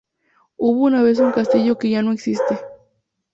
Hubo una vez un castillo que ya no existe.